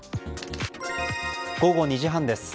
午後２時半です。